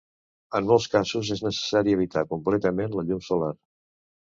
En molts casos, és necessari evitar completament la llum solar.